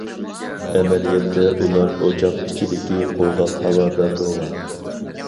ئەمەلىيەتتە، ئۇلار ئوچاق ئىچىدىكى قۇرغاق ھاۋادا تۇرغان.